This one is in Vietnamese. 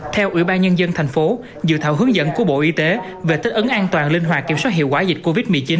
theo ủy ban nhân dân thành phố dự thảo hướng dẫn của bộ y tế về thích ứng an toàn linh hoạt kiểm soát hiệu quả dịch covid một mươi chín